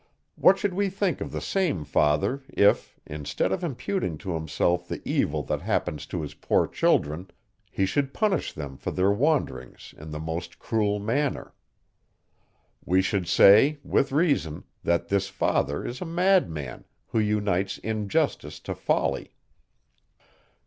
What should we think of the same father, if, instead of imputing to himself the evil that happens to his poor children, he should punish them for their wanderings in the most cruel manner? We should say, with reason, that this father is a madman, who unites injustice to folly.